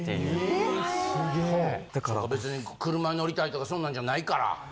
・えすげぇ・別に車乗りたいとかそんなんじゃないから。